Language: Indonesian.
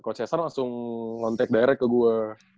coach esar langsung ngontek direct ke gue